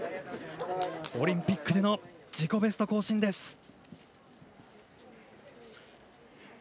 オリンピックでの自己ベスト更新です。